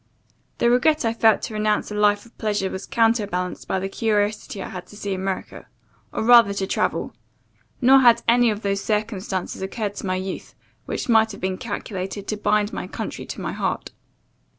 The regret I felt to renounce a life of pleasure, was counter balanced by the curiosity I had to see America, or rather to travel; [nor had any of those circumstances occurred to my youth, which might have been calculated] to bind my country to my heart.